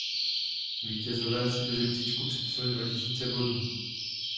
Vítězové si do žebříčků připsali dva tisíce bodů.